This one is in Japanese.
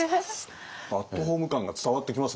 アットホーム感が伝わってきます